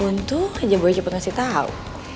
untung aja boleh cepet ngasih tau